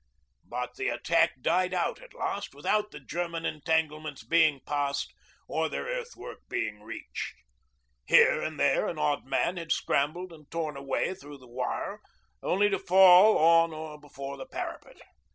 But the attack died out at last without the German entanglements being passed or their earthwork being reached. Here and there an odd man had scrambled and torn a way through the wire, only to fall on or before the parapet.